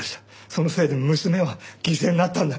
そのせいで娘は犠牲になったんだ。